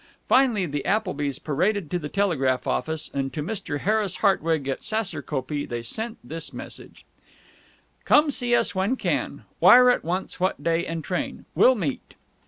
Finally the Applebys paraded to the telegraph office, and to Mr. Harris Hartwig, at Saserkopee, they sent this message: Come see us when can. Wire at once what day and train. Will meet.